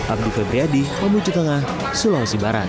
abdu febriyadi mamuju tengah sulawesi barat